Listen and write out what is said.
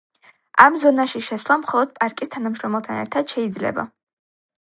ამ ზონაში შესვლა, მხოლოდ პარკის თანამშრომელთან ერთად შეიძლება.